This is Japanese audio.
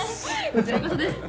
こちらこそです。